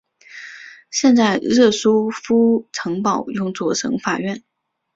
现在热舒夫城堡用作省法院。